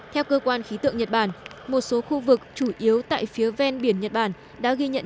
theo cơ quan khí tượng nhật bản một số khu vực chủ yếu tại phía ven biển nhật bản đã ghi nhận